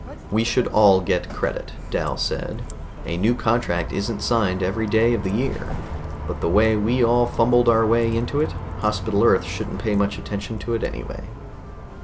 "We should all get credit," Dal said. "A new contract isn't signed every day of the year. But the way we all fumbled our way into it, Hospital Earth shouldn't pay much attention to it anyway."